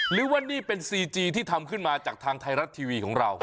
หรือว่านี่เป็นซีจีที่ทำขึ้นมาจากทางไทยรัฐทีวีของเรา